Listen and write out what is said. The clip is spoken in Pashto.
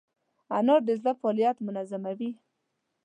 انار د زړه فعالیت منظموي.